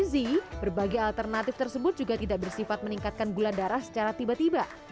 dr gizi berbagai alternatif tersebut juga tidak bersifat meningkatkan gula darah secara tiba tiba